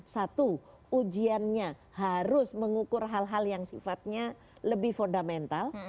satu ujiannya harus mengukur hal hal yang sifatnya lebih fundamental